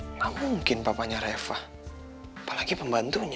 tidak mungkin papanya reva apalagi pembantunya